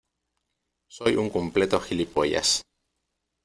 soy un completo gilipollas.